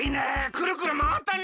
くるくるまわったね！